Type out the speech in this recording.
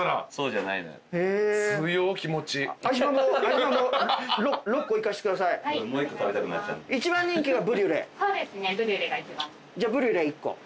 じゃあブリュレが１個。